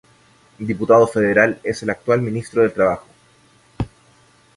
Diputado federal, es el actual Ministro del Trabajo.